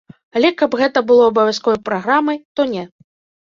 Але каб гэта было абавязковай праграмай, то не.